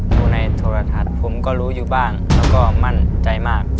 โทรในโทรทัศน์ผมก็รู้อยู่บ้างแล้วก็มั่นใจมาก